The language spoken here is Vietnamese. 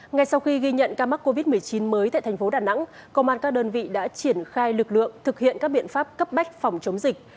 ngay sau khi ghi nhận ca mắc covid một mươi chín mới tại thành phố đà nẵng công an các đơn vị đã triển khai lực lượng thực hiện các biện pháp cấp bách phòng chống dịch